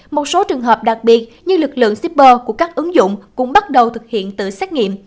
một số trường hợp đặc biệt như lực lượng shipper của các ứng dụng cũng bắt đầu thực hiện tự xét nghiệm